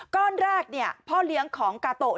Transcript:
ก้อนแรกพ่อเลี้ยงของกาโตะ